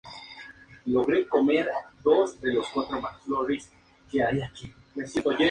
El origen del nombre de esta ciudad deriva de la palabra española abra.